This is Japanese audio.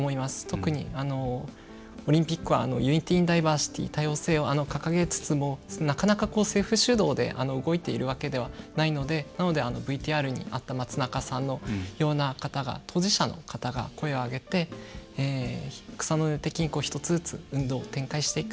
特に、オリンピックはユーリティーダイバーシティ多様性を重視しながらも政府主導で動いているわけではないのでＶＴＲにあった松中さんのような当事者の方が声を上げて草の根的に一つ一つ運動を展開していく。